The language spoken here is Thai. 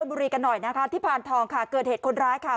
บุรีกันหน่อยนะคะที่พานทองค่ะเกิดเหตุคนร้ายค่ะ